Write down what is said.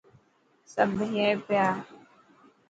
سب هي پيا.